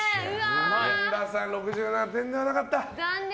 神田さん６７点ではなかった。